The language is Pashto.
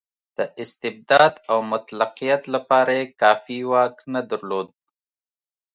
د استبداد او مطلقیت لپاره یې کافي واک نه درلود.